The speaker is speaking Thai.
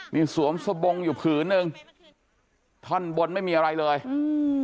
นี่สวมสบงอยู่ผืนหนึ่งท่อนบนไม่มีอะไรเลยอืม